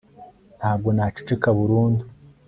ntabwo naceceka burundu